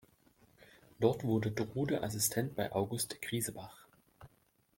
Dort wurde Drude Assistent bei August Grisebach.